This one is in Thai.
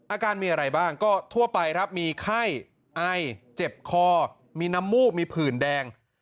อาการมีอะไรบ้างก็ทั่วไปครับมีไข้ไอเจ็บคอมีน้ำมูกมีผื่นแดง